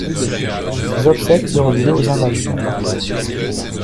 Ses obsèques eurent lieu aux Invalides à Paris.